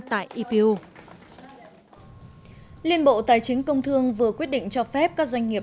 tại ipu liên bộ tài chính công thương vừa quyết định cho phép các doanh nghiệp